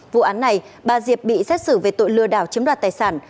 vụ án này bà diệp bị xét xử về tội lừa đảo chiếm đoạt tài sản